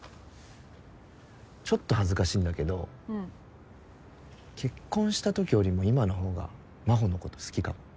ちょっと恥ずかしいんだけど結婚したときよりも今の方が真帆のこと好きかも。